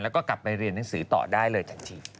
แล้วก็กลับไปเรียนหนังสือต่อได้เลยทันที